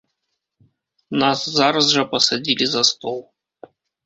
Нас зараз жа пасадзілі за стол.